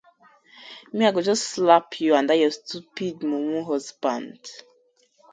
Mi I go just slap yu and dat yur stupid mumu husband.